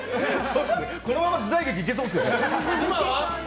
このまま時代劇いけそうですよね。